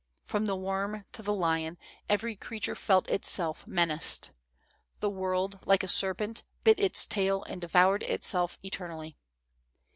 From the worm to the lion, every creature felt itself menaced. The world, like ^ serpent, bit its tail and devoured itself eternally.